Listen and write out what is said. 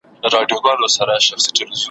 زما له خپل منبره پورته زما د خپل بلال آذان دی ,